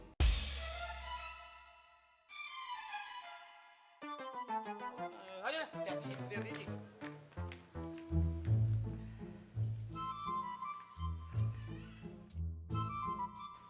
diri diri ji